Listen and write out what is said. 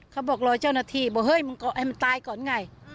เขาบอกรอเจ้าหน้าทีบอกเฮ้ยมันตายก่อนไง